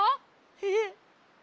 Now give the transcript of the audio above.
えっ？